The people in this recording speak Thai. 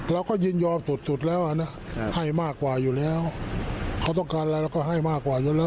ยินยอมสุดแล้วนะให้มากกว่าอยู่แล้วเขาต้องการอะไรเราก็ให้มากกว่าอยู่แล้ว